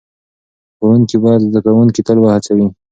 ښوونکي باید زده کوونکي تل وهڅوي.